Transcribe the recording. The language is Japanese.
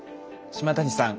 島谷さん